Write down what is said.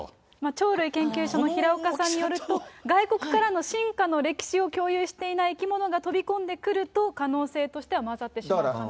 鳥類研究所のひらおかさんによると、外国からの進化の歴史を共有していない生き物が飛び込んでくると、可能性として混ざってしまう可能性がある。